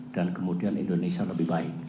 dan kemudian indonesia lebih baik